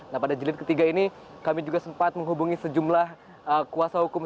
nah pada jilid ketiga ini kami juga sempat menghubungi sejumlah kuasa hukum